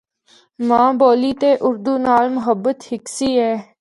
ماں بولی تے اردو نال محبت ہکسی اے۔